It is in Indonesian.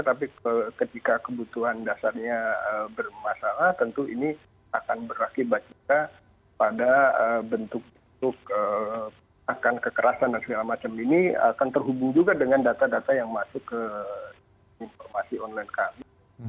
tapi ketika kebutuhan dasarnya bermasalah tentu ini akan berakibat juga pada bentuk bentuk akan kekerasan dan segala macam ini akan terhubung juga dengan data data yang masuk ke informasi online kami